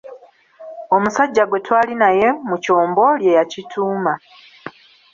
Omusajja gwe twali naye mu kyombo lye yakituuma.